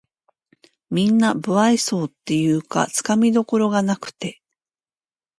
なんか無愛想っていうかつかみどころがなくて